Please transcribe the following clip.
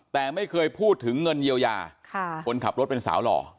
แต่ไม่เคยพูดถึงเงินเยียวยาคนขับรถเป็นสาวหล่อ